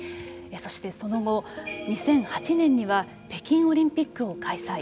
そしてその後２００８年には北京オリンピックを開催。